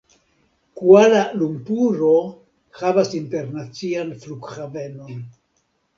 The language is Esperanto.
Kuala-Lumpuro havas internacian flughavenon.